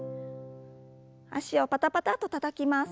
脚をパタパタとたたきます。